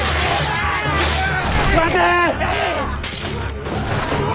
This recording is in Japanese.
待て！